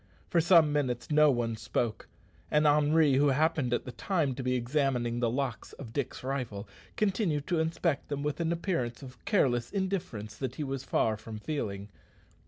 For some minutes no one spoke, and Henri, who happened at the time to be examining the locks of Dick's rifle, continued to inspect them with an appearance of careless indifference that he was far from feeling.